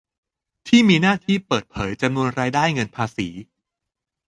ที่มีหน้าที่เปิดเผยจำนวนรายได้จากเงินภาษี